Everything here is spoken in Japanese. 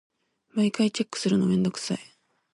毎回チェックするのめんどくさい。